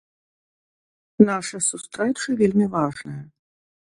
Наша сустрэча вельмі важная.